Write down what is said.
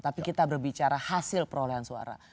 tapi kita berbicara hasil perolehan suara